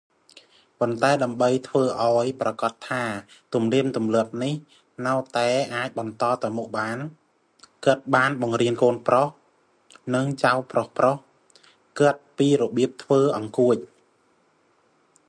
ប៉ុន្តែដើម្បីធ្វើឱ្យប្រាកដថាទំនៀមទម្លាប់នេះនៅតែអាចបន្តទៅមុខបាន គាត់បានបង្រៀនកូនប្រុស និងចៅប្រុសៗគាត់ពីរបៀបធ្វើអង្កួច។